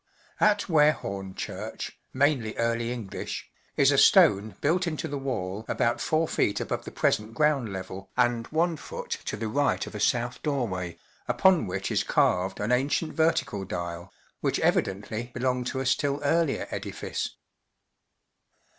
At VVarehorne Church {mainly Early English) is a stone built into the wall about 4ft. above the present ground level and ift to the right of a south doorway, upon which is carved an ancient vertical dial, which evidently be¬ longed to a still earlier edifice.